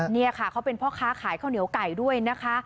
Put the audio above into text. นี่ค่ะเขาเป็นพ่อค้าขายข้าวเหนียวไก่ด้วยนะคะ